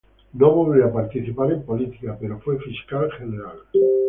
No volvió a participar en política, pero fue fiscal general.